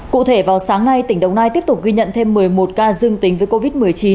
cụ thể vào sáng nay tỉnh đồng nai tiếp tục ghi nhận thêm một mươi một ca dương tính với covid một mươi chín